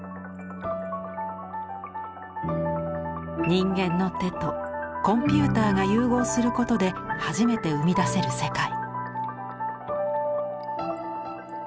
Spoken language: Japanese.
人間の手とコンピューターが融合することで初めて生み出せる世界。